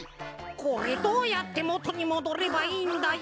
これどうやってもとにもどればいいんだよ。